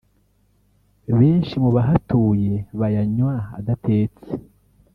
Benshi mu bahatuye bayanywa adatetse